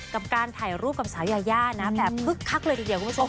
กับการถ่ายรูปกับสาวยายานะแบบคึกคักเลยทีเดียวคุณผู้ชม